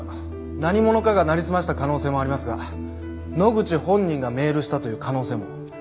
何者かがなりすました可能性もありますが野口本人がメールしたという可能性も。